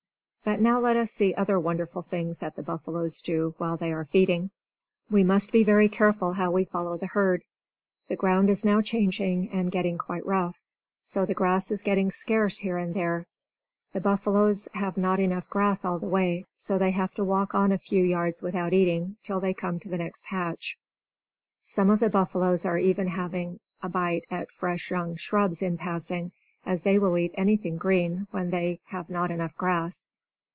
But now let us see other wonderful things that the buffaloes do, while they are feeding. We must be very careful how we follow the herd. The ground is now changing, and getting quite rough; so the grass is getting scarce here and there. The buffaloes have not enough grass all the way; so they have to walk on a few yards without eating, till they come to the next patch. Some of the buffaloes are even having a bite at fresh young shrubs in passing, as they will eat anything green, when they have not enough grass.